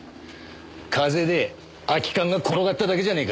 風で空き缶が転がっただけじゃねぇか！